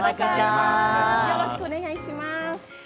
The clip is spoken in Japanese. よろしくお願いします。